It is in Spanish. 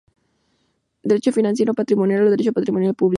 Derecho financiero patrimonial o Derecho patrimonial público.